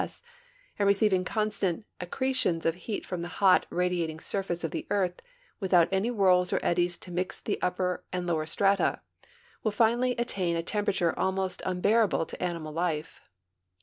ss, and receiving constant accretions of heat from the hot, radiating sur face of the earth, w'ithout any wliirls or eddies to mix the upi)er and lower strata, will fimilly attain a temperature almost un bearable to animal life.